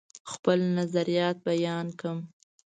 خپل نظریات بیان کړم.